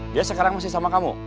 dia sekarang masih sama kamu